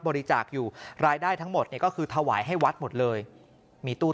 บริจาคอยู่รายได้ทั้งหมดเนี่ยก็คือถวายให้วัดหมดเลยมีตู้